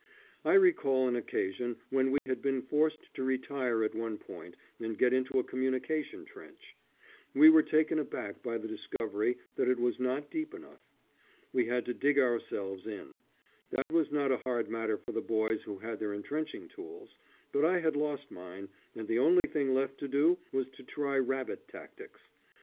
I recall an occasion when we had been forced to retire at one point and get into a communication trench; we were taken aback by the discovery that it was not deep enough. We had to dig ourselves in. That was not a hard matter for the boys who had their entrenching tools, but I had lost mine, and the only thing left to do was to try rabbit tactics.